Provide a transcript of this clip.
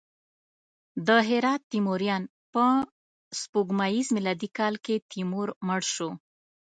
د هرات تیموریان: په سپوږمیز میلادي کال کې تیمور مړ شو.